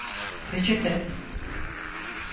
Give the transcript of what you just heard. Peçete…